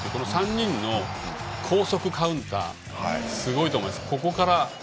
３人の高速カウンターすごいと思います。